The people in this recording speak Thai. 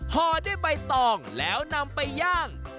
ห่อด้วยใบตองแล้วนำไปย่าง